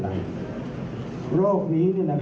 หลายคนไม่เข้าใจว่าโรคนี้คืออะไร